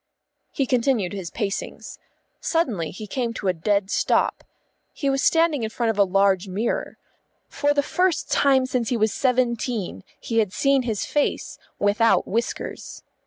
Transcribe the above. He continued his pacings. Suddenly he came to a dead stop. He was standing in front of a large mirror. For the first time since he was seventeen he had seen his face without whiskers.